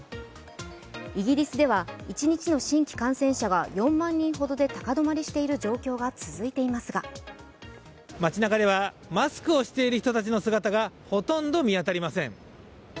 イギリスでは、一日の新規感染者が４万人ほどで高止まりしている状況が続いてますが街中ではマスクをしている人たちの姿がほとんど見当たりません。